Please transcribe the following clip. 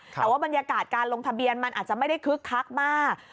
แต่ว่าบรรยากาศการลงทะเบียนมันอาจจะไม่ได้คึกคักมาก